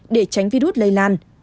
để tránh virus lây lan